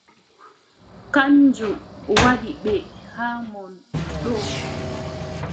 Kanjum waddi ɓe haa mon ɗo.